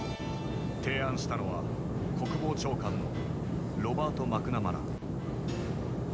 提案したのは国防長官のロバート・マクナマラ。